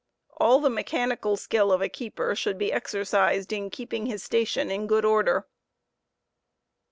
All the mechanical skill of a keeper should be exercised in keeping his station in good order.